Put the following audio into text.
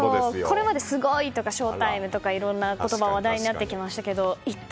これまで、スゴーイ！とかショウタイム！とかいろんな言葉が話題になってきましたが「イット！」